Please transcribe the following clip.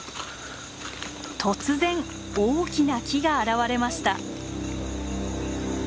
突然大きな木が現れました。